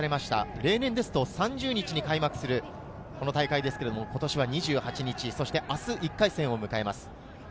例年ですと３０日に開幕するこの大会ですが今年は２８日、明日１回戦を迎えます。